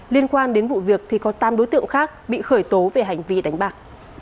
liên quan đến vụ việc thì có tám đối tượng khác bị khởi tố về hành vi đánh bạc